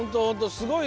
すごいね！